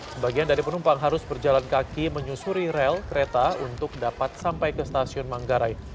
sebagian dari penumpang harus berjalan kaki menyusuri rel kereta untuk dapat sampai ke stasiun manggarai